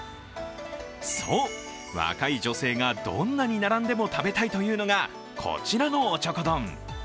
そう若い女性がどんなに並んでも食べたいというのがこちらのおちょこ丼。